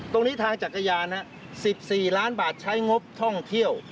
ตรงนี้ทางจักรยาน๑๔ล้านบาทใช้งบท่องเที่ยว